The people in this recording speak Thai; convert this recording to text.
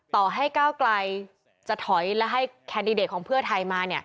ต่อให้ก้าวไกลจะถอยและให้แคนดิเดตของเพื่อไทยมา